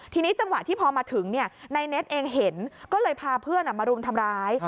ทีนี้จังหวะที่พอมาถึงนายเน็ตเองเห็นก็เลยพาเพื่อนมารุมทำร้าย